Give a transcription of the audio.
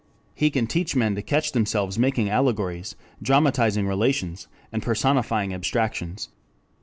He can teach men to catch themselves making allegories, dramatizing relations, and personifying abstractions.